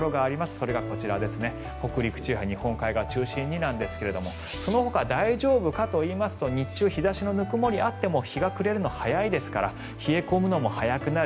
それがこちら北陸地方や日本海側中心にですがそのほか、大丈夫かといいますと日中日差しのぬくもりがあっても日が暮れるのは早いですから冷え込むのも早くなる。